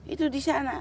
itu di sana